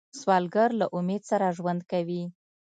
سوالګر له امید سره ژوند کوي